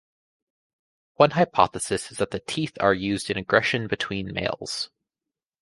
One hypothesis is that the teeth are used in aggression between males.